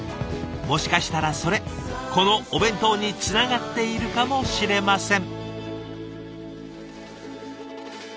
もしかしたらそれこのお弁当につながっているかもしれません。